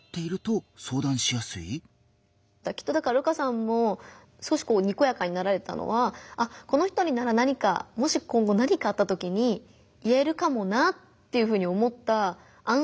きっとだから瑠花さんも少しにこやかになられたのはこの人になら何かもし今後何かあったときに言えるかもなっていうふうに思った安心の笑顔だったと思うので。